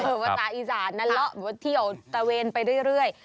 เออวัตตาอีสานนั้นเลาะเหมือนว่าที่เอาตระเวนไปเรื่อย